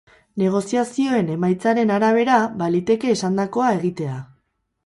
Negoziazioen emaitzaren arabera, baliteke esandakoa egitea.